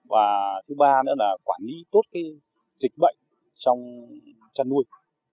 và thứ ba nữa là quản lý tốt dịch bệnh trong chăn nuôi